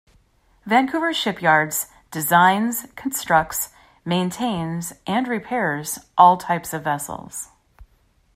Vancouver Shipyards designs, constructs, maintains, and repairs all types of vessels.